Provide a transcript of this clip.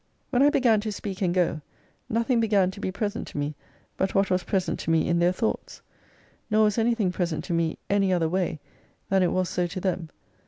When I began to speak and go, nothing began to be present to me, but what was present to me in their thoughts. Nor was anything present to me any other way, than it was so to them.